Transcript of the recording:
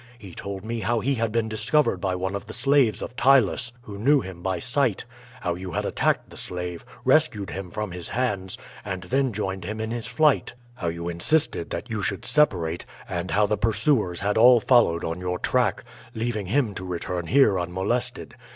He told me how he had been discovered by one of the slaves of Ptylus who knew him by sight; how you had attacked the slave, rescued him from his hands, and then joined him in his flight; how you insisted that you should separate; and how the pursuers had all followed on your track, leaving him to return here unmolested.